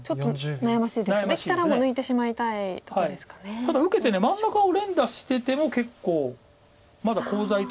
ただ受けて真ん中を連打してても結構まだコウ材と。